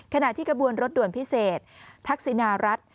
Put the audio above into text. ขณะที่กระบวนรถด่วนพิเศษทักษินารัฐ